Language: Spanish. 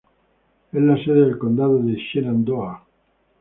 Es la sede del condado de Shenandoah.